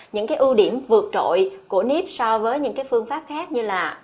những cái ưu điểm vượt trội của nep so với những cái phương pháp khác như là